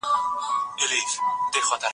نور کوچنيان دي سره خاندي